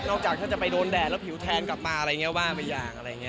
นอกจากจะไปโดนแดดแล้วผิวแทนกลับมาอะไรอย่าง